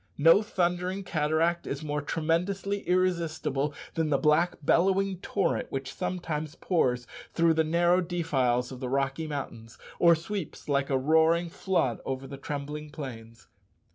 No thundering cataract is more tremendously irresistible than the black bellowing torrent which sometimes pours through the narrow defiles of the Rocky Mountains, or sweeps like a roaring flood over the trembling plains.